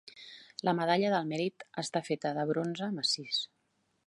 La Medalla del Mèrit està feta de bronze massís.